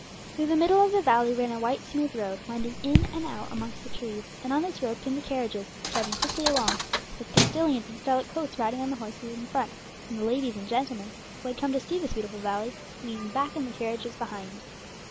Through the middle of the valley ran a white smooth road, winding in and out amongst the trees, and on this road came the carriages, driving quickly along, with the postillions in scarlet coats riding on the horses in front, and the ladies and gentlemen, who had come to see the beautiful valley, leaning back in the carriages behind.